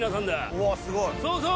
うわすごい！